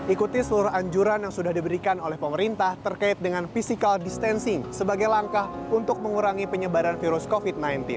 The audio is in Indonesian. ikuti seluruh anjuran yang sudah diberikan oleh pemerintah terkait dengan physical distancing sebagai langkah untuk mengurangi penyebaran virus covid sembilan belas